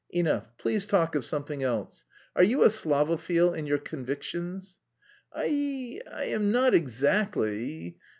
"Enough, please talk of something else. Are you a Slavophil in your convictions?" "I... I am not exactly....